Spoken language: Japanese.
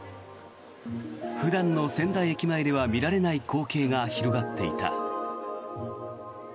普段の仙台駅前では見られない光景が広がっていた。